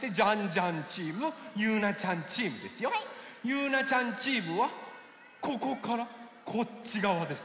ゆうなちゃんチームはここからこっちがわです。